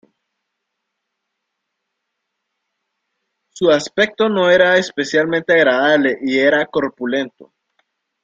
Su aspecto no era especialmente agradable y era corpulento.